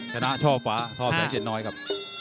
ชนะช่อฟ้าทอบ๑๗๐น้อยครับ